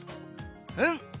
うん。